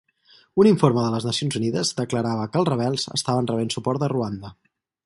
Un informe de les Nacions Unides declarava que els rebels estaven rebent suport de Ruanda.